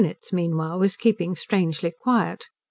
X Kunitz meanwhile was keeping strangely quiet.